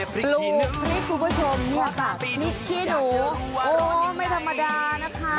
ปลูกพลิกคุณผู้ชมเนี่ยค่ะมิคคี่หนูโอ้ไม่ธรรมดานะคะ